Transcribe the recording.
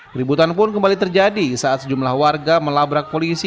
keributan pun kembali terjadi saat sejumlah warga melabrak polisi